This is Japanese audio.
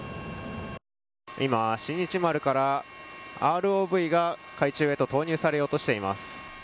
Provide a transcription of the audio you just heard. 今、「新日丸」からＲＯＶが海中へと投入されようとしています。